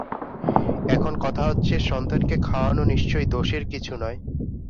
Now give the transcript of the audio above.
এখন কথা হচ্ছে, সন্তানকে খাওয়ানো নিশ্চয়ই দোষের কিছু নয়।